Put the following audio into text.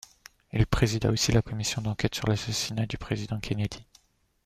Il présida aussi la commission d'enquête sur l'assassinat du président Kennedy.